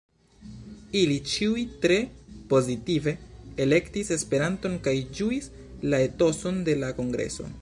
Ili ĉiuj tre pozitive elektis Esperanton kaj ĝuis la etoson de la kongreso.